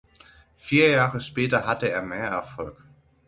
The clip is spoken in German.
Vier Jahre später hatte er mehr Erfolg.